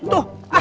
justru karena baik